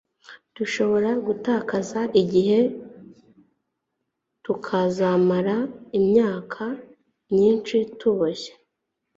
dushobora gutakaza igihe, tukazamara imyaka myinshi tuboshye